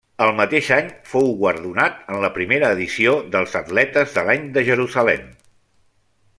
El mateix any fou guardonat en la primera edició dels atletes de l'any de Jerusalem.